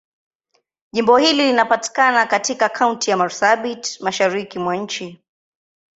Jimbo hili linapatikana katika Kaunti ya Marsabit, Mashariki mwa nchi.